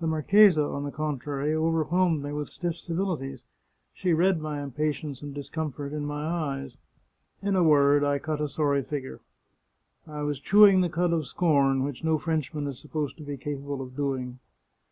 The marchesa, on the contrary, overwhelmed me with stiff civilities ; she read my impatience and discomfort in my eyes. In a word, I cut a sorry figure. I was chewing the cud of scorn, which no Frenchman is supposed to be capable of doing.